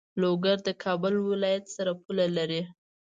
لوګر د کابل ولایت سره پوله لری.